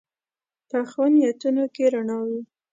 پخو نیتونو کې رڼا وي